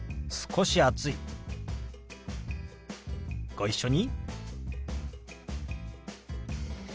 ご一緒に。